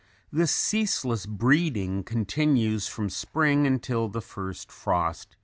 This ceaseless breeding continues from spring until the first frost in the fall.